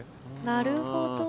なるほど。